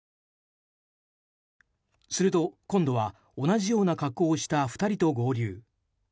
すると、今度は同じような格好をした２人と合流。